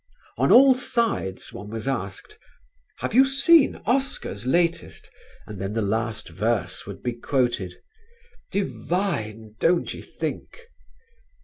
On all sides one was asked: "Have you seen Oscar's latest?" And then the last verse would be quoted: "Divine, don't ye think?"